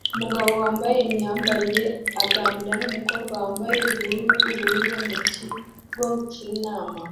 Umugabo wambaye imyambarire aganira numukobwa wambaye ubururu bwubururu mu kigo cyinama